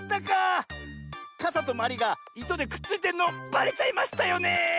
かさとまりがいとでくっついてるのばれちゃいましたよねえ。